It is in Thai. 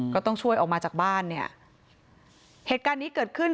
ก็ต้องช่วยออกมาจากบ้านเนี่ยเหตุการณ์นี้เกิดขึ้น